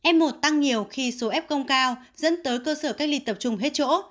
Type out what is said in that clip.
f một tăng nhiều khi số f công cao dẫn tới cơ sở cách ly tập trung hết chỗ